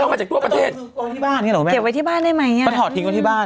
น่ากลัวเหมือนกันเนอะ